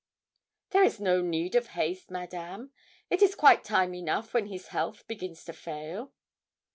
'There is no need of haste, Madame; it is quite time enough when his health begins to fail.'